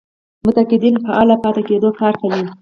متقاعدين فعاله پاتې کېدو کار کوي.